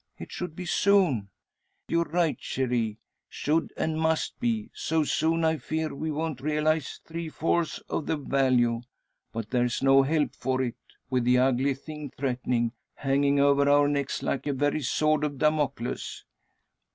It should be soon." "You're right, cherie. Should, and must be. So soon, I fear we won't realise three fourths of the value. But there's no help for it, with the ugly thing threatening hanging over our necks like a very sword of Damocles."